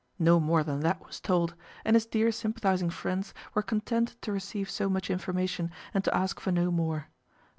No more than that was told, and his dear sympathising friends were content to receive so much information, and to ask for no more.